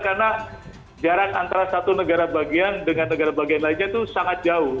karena jarak antara satu negara bagian dengan negara bagian lainnya itu sangat jauh